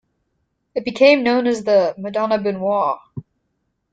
It became known as the "Madonna Benois".